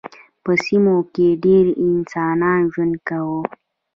په سیمو کې ډېر انسانان ژوند کاوه.